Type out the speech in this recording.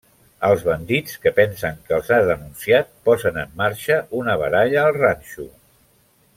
Els bandits que pensen que els ha denunciat posen en marxa una baralla al ranxo.